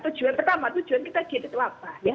tujuan pertama tujuan kita diet itu apa